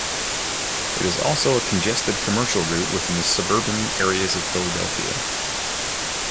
It is also a congested commercial route within the suburban areas of Philadelphia.